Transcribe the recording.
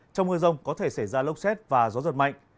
trong mưa rông có thể xảy ra lốc xét và gió giật mạnh